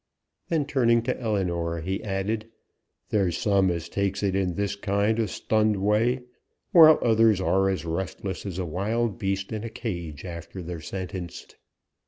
Then, turning to Ellinor, he added, "There's some as takes it in this kind o' stunned way, while others are as restless as a wild beast in a cage, after they're sentenced."